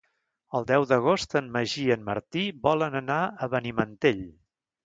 El deu d'agost en Magí i en Martí volen anar a Benimantell.